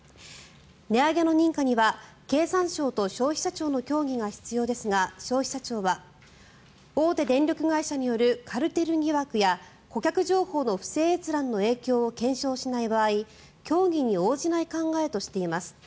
値上げの認可には経産省と消費者庁の協議が必要ですが消費者庁は、大手電力会社によるカルテル疑惑や顧客情報の不正閲覧の影響を検証しない場合協議に応じない考えとしています。